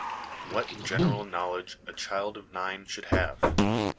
What General Knowledge a Child of Nine should have.